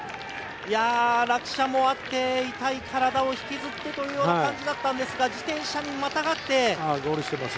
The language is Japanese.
落車もあって、痛い体を引きずってという感じだったんですが、自転車にまたがって。